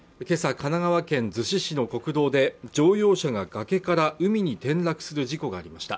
神奈川県逗子市の国道で乗用車が崖から海に転落する事故がありました